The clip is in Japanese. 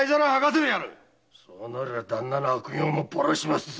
そうなりゃ旦那の悪行もばらしますぜ。